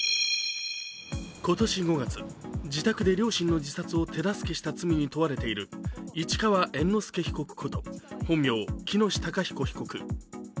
今年５月、自宅で両親の自殺を手助けした罪に問われている市川猿之助被告こと本名・喜熨斗孝彦被告。